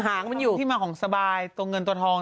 ตระกรมนั้นคือที่มาของสบายตรงเงินตัวทอง